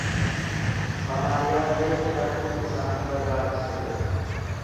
Samaariyaa keessa darbuun isaa ni barbaachisa ture.